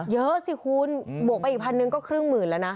เยอะสิคุณบวกไปอีก๑๐๐๐ก็ครึ่งหมื่นแล้วนะ